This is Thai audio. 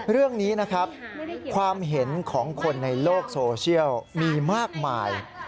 เรื่องนี้นะครับความเห็นของคนในโลกโซเชียลมีมากมาย